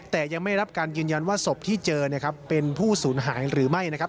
แต่ยังไม่รับการยืนยันว่าศพที่เจอนะครับเป็นผู้สูญหายหรือไม่นะครับ